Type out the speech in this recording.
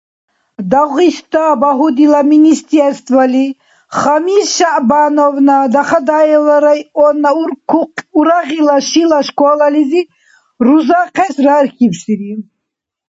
Дагъиста багьудила Министерстволи Хамис ШяхӀбановна Дахадаевла районна Урагъила шила школализи рузахъес рархьибсири.